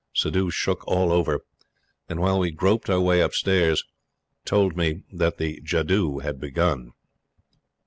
Suddhoo shook all over, and while we groped our way upstairs told me that the jadoo had begun.